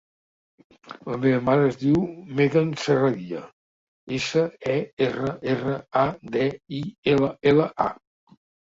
La meva mare es diu Megan Serradilla: essa, e, erra, erra, a, de, i, ela, ela, a.